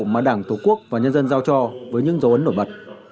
mà đảng tổ quốc và nhân dân giao cho với những dấu ấn nổi bật